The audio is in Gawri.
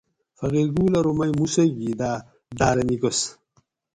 فقیر گل ارو میٔں موسیٰ گی دا دارہ نیکس